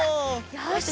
よし。